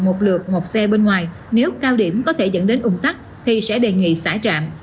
một lượt một xe bên ngoài nếu cao điểm có thể dẫn đến ủng tắc thì sẽ đề nghị xả trạm